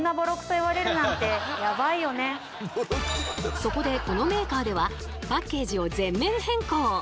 そこでこのメーカーではパッケージを全面変更！